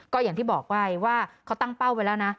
ก็อย่างที่บอกไว้ว่าเขาตั้งเป้าไปแล้วนะ